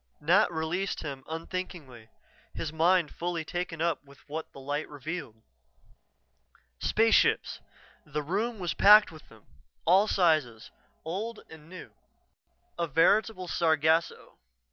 Nat released him unthinkingly, his mind fully taken up with what the light revealed. Spaceships! The room was packed with them all sizes, old and new. A veritable sargasso.